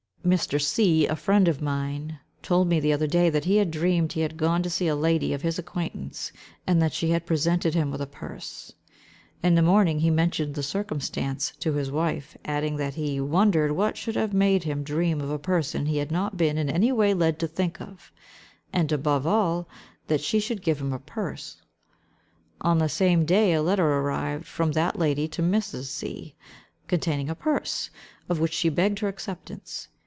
Mr. C——, a friend of mine, told me the other day, that he had dreamed he had gone to see a lady of his acquaintance, and that she had presented him with a purse. In the morning he mentioned the circumstance to his wife, adding that he wondered what should have made him dream of a person he had not been in any way led to think of; and, above all, that she should give him a purse. On that same day, a letter arrived from that lady to Mrs. C——, containing a purse, of which she begged her acceptance.